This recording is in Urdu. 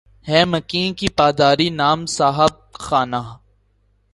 ہے مکیں کی پا داری نام صاحب خانہ